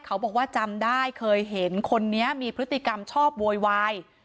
บอกว่าจำได้เคยเห็นคนนี้มีพฤติกรรมชอบโวยวาย